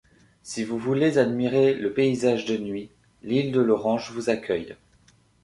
Si vous voulez admirer le paysage de nuit, l’île de l’Orange vous accueille.